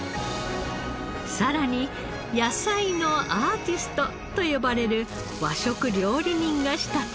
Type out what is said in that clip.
さらに「野菜のアーティスト」と呼ばれる和食料理人が仕立てる新作。